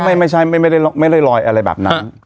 ไม่ใช่ไม่ได้ลอยอะไรแบบนั้น